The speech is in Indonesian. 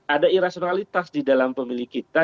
ada irasionalitas di dalam pemilih kita